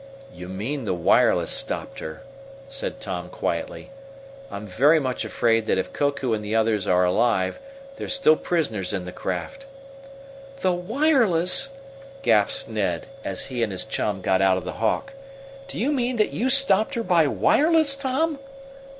"You mean the wireless stopped her," said Tom quietly. "I'm very much afraid that if Koku and the others are alive they're still prisoners in the craft." "The wireless!" gasped Ned, as he and his chum got out of the Hawk. "Do you mean that you stopped her by wireless, Tom?"